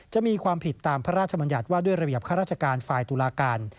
จะมีความผิดตามพระราชมัญญัติว่าด้วยระเบียบข้าราชการฝ่ายตุลาการ